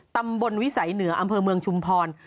ตำบลวิสัยเหนืออำเภอเมืองชุมพร